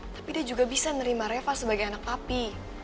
tapi dia juga bisa nerima reva sebagai anak papi